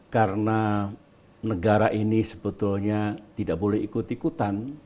karena negara ini sebetulnya tidak boleh ikut ikutan